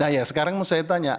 nah ya sekarang mau saya tanya